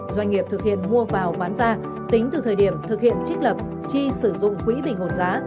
doanh nghiệp thực hiện mua vào bán ra tính từ thời điểm thực hiện trích lập chi sử dụng quỹ bình ổn giá